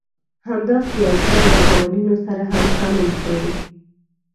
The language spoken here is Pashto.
همداسې يو کار له قوانينو سره هم سمون خوري.